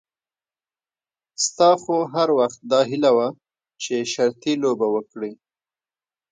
ستا خو هر وخت داهیله وه چې شرطي لوبه وکړې.